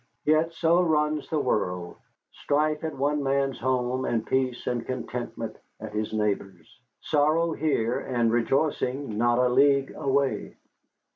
Yet so runs the world, strife at one man's home, and peace and contentment at his neighbor's; sorrow here, and rejoicing not a league away.